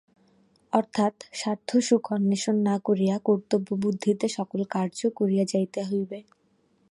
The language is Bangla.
অর্থাৎ স্বার্থ-সুখ অন্বেষণ না করিয়া কর্তব্যবুদ্ধিতে সকল কার্য করিয়া যাইতে হইবে।